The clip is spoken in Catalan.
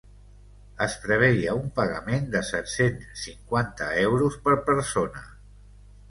Es preveia un pagament de set-cents cinquanta euros per persona.